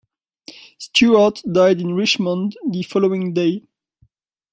Stuart died in Richmond the following day.